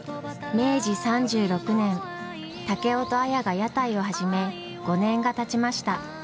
明治３６年竹雄と綾が屋台を始め５年がたちました。